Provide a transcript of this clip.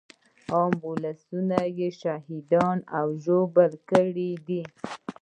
عام ولسونه يې شهیدان او ژوبل کړي دي.